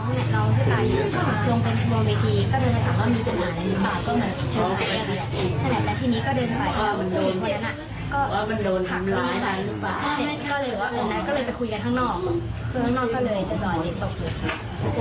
คุณผู้หญิงสู้ไม่ได้คุณผู้หญิงสู้ไม่ได้คุณผู้หญิงสู้ไม่ได้